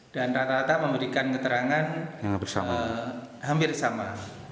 dan rata rata memberikan keterangan hampir sama